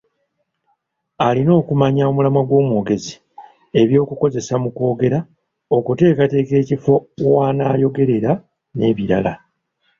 Alina okumanya omulamwa gw’omwogezi, eby’okukozesa mu kwogera, okuteekateeka ekifo w’onaayogerera n’ebirala.